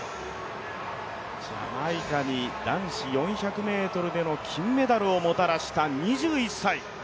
ジャマイカに男子４００ｍでの金メダルをもたらした２１歳。